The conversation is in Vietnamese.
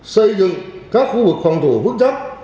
xây dựng các khu vực phòng thủ vức giáp